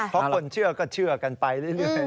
เพราะคนเชื่อก็เชื่อกันไปเรื่อย